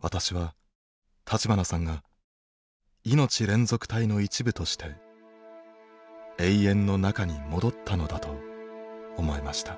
私は立花さんがいのち連続体の一部として永遠の中に戻ったのだと思えました。